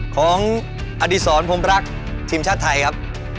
ของอดีศรพรมรักทีมชาติไทยครับ